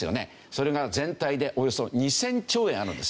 それが全体でおよそ２０００兆円あるんですよ。